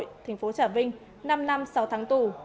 thành phố trà vinh năm năm sáu tháng tù